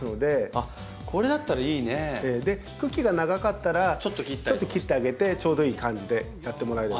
茎が長かったらちょっと切ってあげてちょうどいい感じでやってもらえれば。